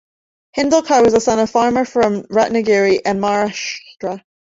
Hindlekar was the son of a farmer from Ratnagiri in Maharashtra.